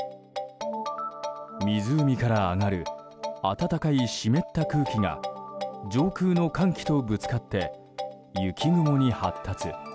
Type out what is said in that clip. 湖から上がる暖かい湿った空気が上空の寒気とぶつかって雪雲に発達。